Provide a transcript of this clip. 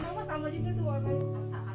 donasi untuk imar